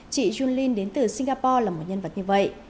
chị jun linh đến từ singapore là một nhân vật như vậy